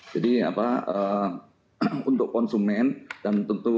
jadi untuk konsumen dan tentu